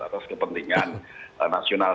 atas kepentingan nasional